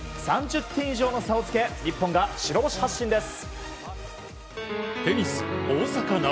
３０点以上の差をつけ日本が白星発進です。